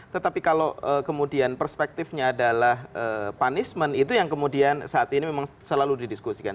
tetapi kalau kemudian perspektifnya adalah punishment itu yang kemudian saat ini memang selalu didiskusikan